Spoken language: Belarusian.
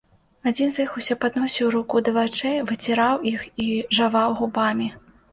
Адзін з іх усё падносіў руку да вачэй, выціраў іх і жаваў губамі.